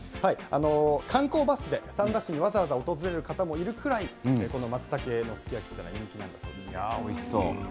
観光バスで三田市にわざわざ訪れる方もいるくらいこのまつたけのすき焼きが人気だそうです。